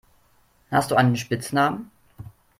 Hast du einen Spitznamen?